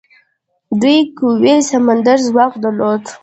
دوی قوي سمندري ځواک درلود.